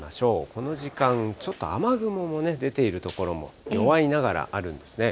この時間、ちょっと雨雲も出ている所も、弱いながらあるんですね。